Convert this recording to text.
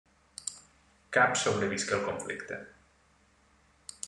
Cap sobrevisqué el conflicte.